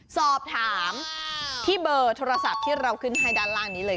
สอบถามที่เบอร์โทรศัพท์ที่เราขึ้นให้ด้านล่างนี้เลย